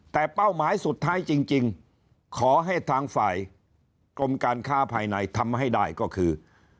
แต่เป้าหมายสุดท้ายจริงขอให้ทางฝ่ายกรมการค้าภายในทำให้ได้ก็คือ